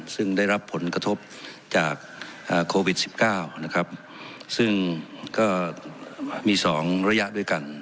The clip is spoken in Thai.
ซึ่งได้รับผลกระทบจากโควิด๑๙นะครับซึ่งก็มี๒ระยะด้วยกัน